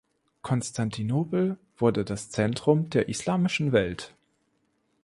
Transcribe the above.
Konstantinopel wurde das Zentrum der islamischen Welt.